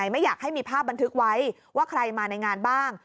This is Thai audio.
ไม่อยากให้มีภาพบันทึกไว้ว่าใครมาในงานบ้าง